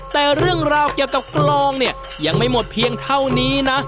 แต่เรื่องราวเกี่ยวกับกลองเนี่ยยังไม่หมดเพียงเท่านี้นะ